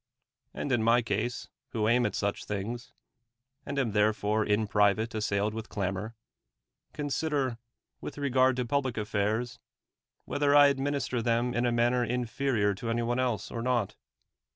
And in my case, who aim at such things, 42 aud am therefore in private assailed willi clamor, consider, with reg ard to public att'airs, whether I administer them in a manner inferior to any one else, or not.